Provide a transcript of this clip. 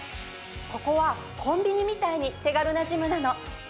ここはコンビニみたいに手軽なジムなの。